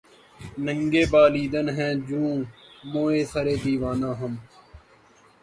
ننگ بالیدن ہیں جوں موئے سرِ دیوانہ ہم